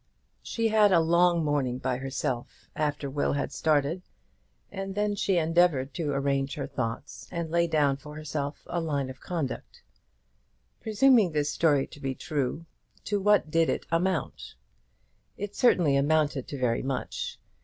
She had a long morning by herself after Will had started, and then she endeavoured to arrange her thoughts and lay down for herself a line of conduct. Presuming this story to be true, to what did it amount? It certainly amounted to very much.